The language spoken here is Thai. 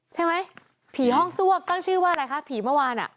ใช่ไหมผีห้องซ่วกตั้งชื่อว่าอะไรคะผีเมื่อวานอ่ะ